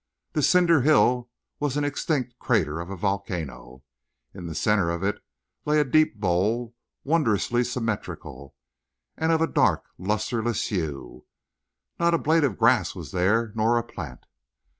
The cinder hill was an extinct crater of a volcano. In the center of it lay a deep bowl, wondrously symmetrical, and of a dark lusterless hue. Not a blade of grass was there, nor a plant.